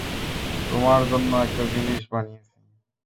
তোমার জন্য একটা জিনিস বানিয়েছি।